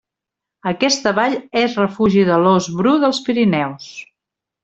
Aquesta vall és refugi de l'ós bru dels Pirineus.